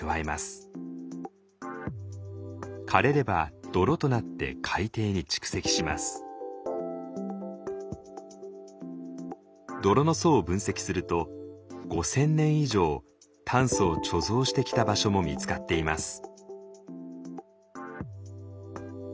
枯れれば泥の層を分析すると５，０００年以上炭素を貯蔵してきた場所も見つかっています。